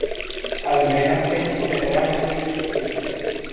Alvenas tempo de grandaj decidoj.